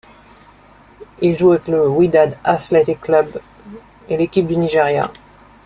Il joue avec le Wydad Athletic Club et l'équipe du Nigeria.